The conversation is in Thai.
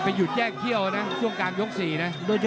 หยุดแยกเที่ยวนะช่วงกลางยก๔นะ